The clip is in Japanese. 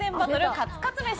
カツカツ飯。